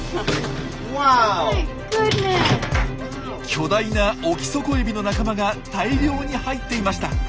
巨大なオキソコエビの仲間が大量に入っていました。